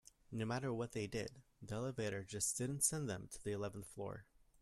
No matter what they did, the elevator just didn't send them to the eleventh floor.